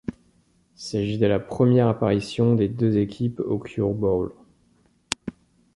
Il s'agit de la première apparition des deux équipes au Cure Bowl.